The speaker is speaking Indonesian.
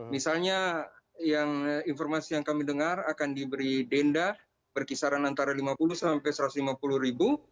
misalnya informasi yang kami dengar akan diberi denda berkisaran antara lima puluh sampai satu ratus lima puluh ribu